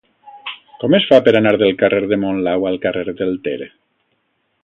Com es fa per anar del carrer de Monlau al carrer del Ter?